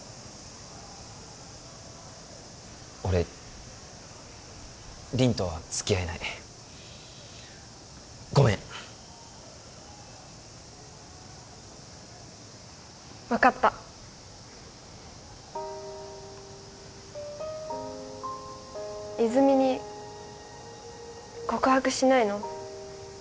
俺凛とは付き合えないごめん分かった泉に告白しないの？